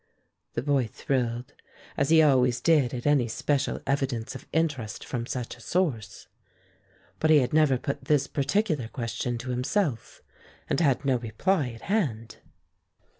The boy thrilled, as he always did at any special evidence of interest from such a source, but he had never put this particular question to himself and had no reply at hand.